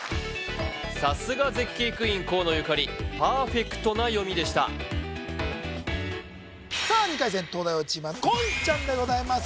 さすが絶景クイーン河野ゆかりパーフェクトな読みでしたさあ２回戦東大王チームは言ちゃんでございます